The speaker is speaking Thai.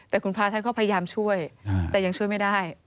แต่คุณพระท่านก็พยายามช่วยแต่ยังช่วยไม่ได้